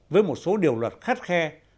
với một số điều luật khắt khe mức xử phạt rất cao